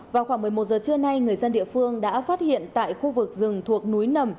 vào khoảng một mươi một giờ trưa nay người dân địa phương đã phát hiện tại khu vực rừng thuộc núi nầm